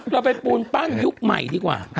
เราไปปูนปั้นยุคใหม่ดีกว่า